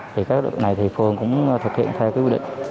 thì các trường hợp này thì phường cũng thực hiện theo cái quy định